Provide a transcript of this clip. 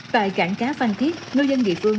tại cảng cá phan thiết nô dân địa phương